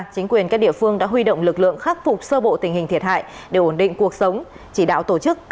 công an các địa vị địa phương cũng đã chủ động thực hiện phương châm bốn tại chỗ